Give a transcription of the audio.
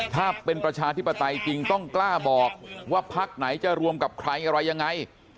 ถ้าเป็นประชาธิปไตยจริงต้องกล้าบอกว่าพักไหนจะรวมกับใครอะไรยังไง